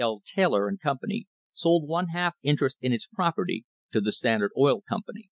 L. Taylor and Company sold one half interest in its property to the Standard Oil Com pany.